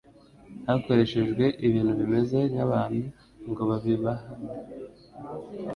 hakoreshejwe ibintu bimeze nk'abantu ngo babihamye.